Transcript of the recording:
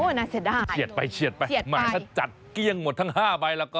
น่าเสียดายเฉียดไปเฉียดไปถ้าจัดเกลี้ยงหมดทั้ง๕ใบแล้วก็